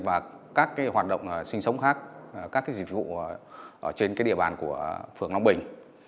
và các hoạt động sinh sống khác các dịch vụ trên địa bàn của phường long bình